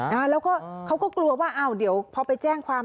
แล้วก็เขาก็กลัวว่าอ้าวเดี๋ยวพอไปแจ้งความ